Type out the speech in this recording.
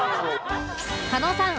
狩野さん